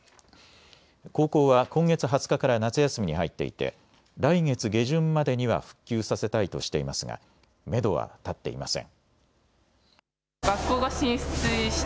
高校は今月２０日から夏休みに入っていて来月下旬までには復旧させたいとしていますがめどは立っていません。